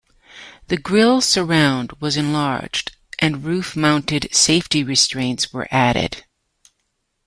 The grill surround was enlarged, and roof mounted safety restraints were added.